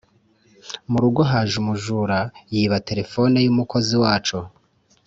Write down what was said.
Murugo haje umujura yiba telefone yumu kozi wacu